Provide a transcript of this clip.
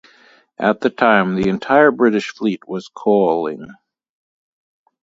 At the time, the entire British fleet was coaling.